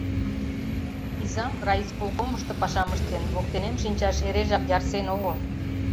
Изам райисполкомышто пашам ыштен, воктенем шинчаш эрежак ярсен огыл.